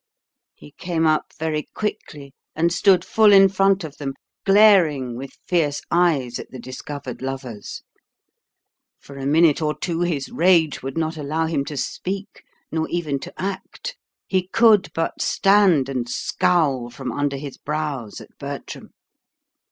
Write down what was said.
He came up very quickly, and stood full in front of them, glaring with fierce eyes at the discovered lovers. For a minute or two his rage would not allow him to speak, nor even to act; he could but stand and scowl from under his brows at Bertram.